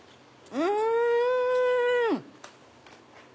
うん！